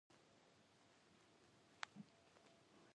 The highest point in the town is along the northeast boundary.